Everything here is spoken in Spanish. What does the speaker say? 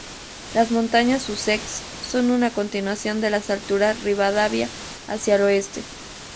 Las Montañas Sussex son una continuación de las alturas Rivadavia hacia el oeste.